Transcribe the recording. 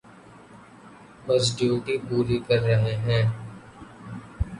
بس ڈیوٹی پوری کر رہے ہیں۔